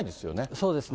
そうですね。